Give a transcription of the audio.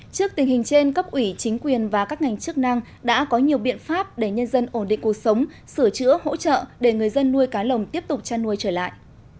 trước tình hình trên cấp ủy chính quyền và các ngành chức năng đã có nhiều biện pháp để nhân dân ổn định cuộc sống sửa chữa hỗ trợ để người dân nuôi cá lồng tiếp tục chăn nuôi trở lại